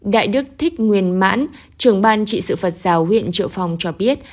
đại đức thích nguyên mãn trưởng ban trị sự phật giáo huyện triệu phong cho biết